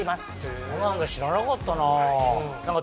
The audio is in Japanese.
そうなんだ知らなかったな。